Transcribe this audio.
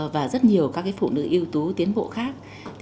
và rất nhiều các phụ nữ yếu tố tiến bộ khác